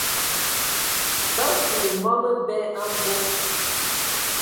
Ba fufudi mɔ məbɛ a mbog.